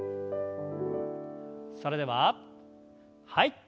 それでははい。